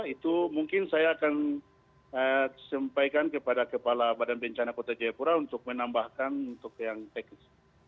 itu mungkin saya akan sampaikan kepada kepala badan bencana kota jayapura untuk menambahkan untuk yang teknis